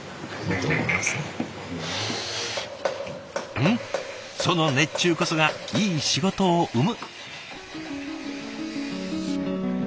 うんその熱中こそがいい仕事を生む。